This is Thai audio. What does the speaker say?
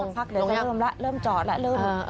พักเลยเริ่มแล้วเริ่มจอดแล้ว